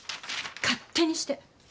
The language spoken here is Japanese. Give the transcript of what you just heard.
勝手にして。